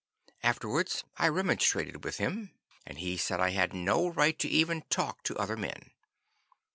Afterwards I remonstrated with him, and he said I had no right to even talk to other men.